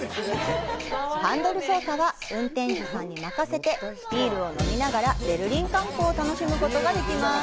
ハンドル操作は運転手さんに任せてビールを飲みながらベルリン観光を楽しむことができます。